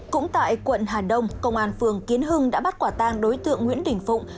cũng tại quận hà đông công an phường kiến hưng đã bắt quả tang đối tượng nguyễn đình phụng